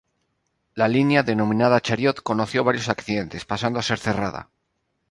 La línea, denominada ""Chariot"", conoció varios accidentes, pasando a ser cerrada.